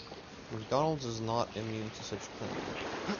McDonald's is not immune to such claims.